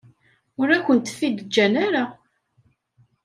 Ur akent-t-id-ǧǧan ara.